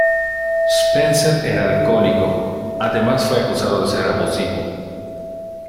Spencer era alcohólico, además fue acusado de ser abusivo.